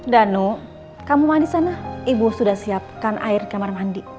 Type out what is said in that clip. danu kamu di sana ibu sudah siapkan air kamar mandi